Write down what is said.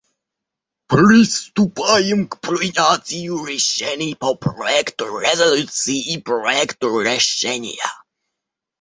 Приступаем к принятию решений по проекту резолюции и проекту решения.